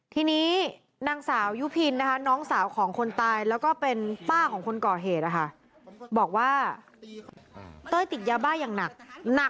ทีนี้นางสาวยุพินนะคะน้องสาวของคนตายแล้วก็เป็นป้าก็ของคนเกาะเหตุนะคะ